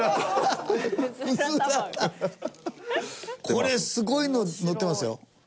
これすごいの載ってますよ。